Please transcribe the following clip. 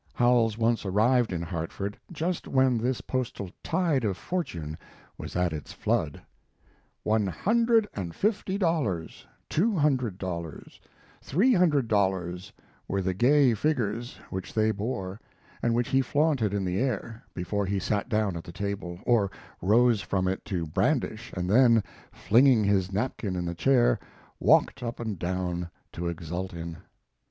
Howells once arrived in Hartford just when this postal tide of fortune was at its flood: One hundred and fifty dollars two hundred dollars three hundred dollars were the gay figures which they bore, and which he flaunted in the air, before he sat down at the table, or rose from it to brandish, and then, flinging his napkin in the chair, walked up and down to exult in.